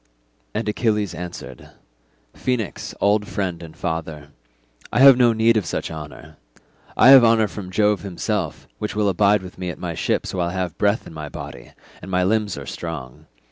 And Achilles answered, "Phoenix, old friend and father, I have no need of such honour. I have honour from Jove himself, which will abide with me at my ships while I have breath in my body, and my limbs are strong.